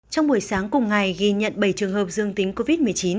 trong buổi sáng cùng ngày ghi nhận bảy trường hợp dương tính covid một mươi chín